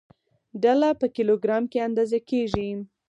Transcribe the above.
ډله په کیلوګرام کې اندازه کېږي.